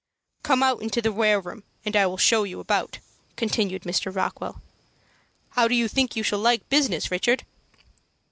"Come out into the ware room, and I will show you about," continued Mr. Rockwell. "How do you think you shall like business, Richard?"